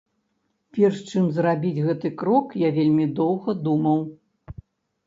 Перш чым зрабіць гэты крок я вельмі доўга думаў.